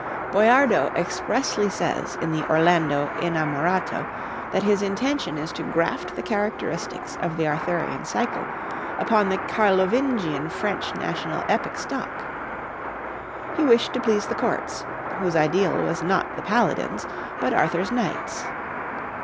Boiardo expressly says in the 'Orlando Innamorato' that his intention is to graft the characteristics of the Arthurian cycle upon the Carlovingian French national epic stock. He wished to please the courts, whose ideal was not the paladins, but Arthur's knights.